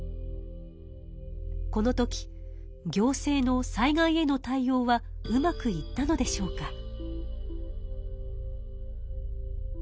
この時行政の災害への対応はうまくいったのでしょうか？